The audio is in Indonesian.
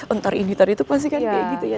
entar ini entar itu pasti kan kayak gitu ya